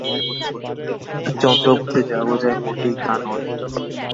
এটি কিন্তু চন্দ্র বলতে যা বোঝায়, মোটেই তা নয়।